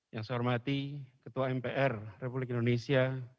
yang saya hormati ketua mpr republik indonesia